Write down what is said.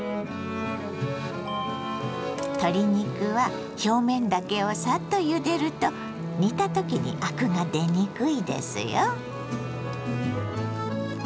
鶏肉は表面だけをサッとゆでると煮た時にアクが出にくいですよ。